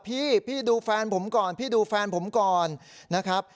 พี่พี่ดูแฟนผมก่อนพี่ดูแฟนผมก่อนนะครับ